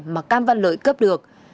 mà cam văn lợi cấp được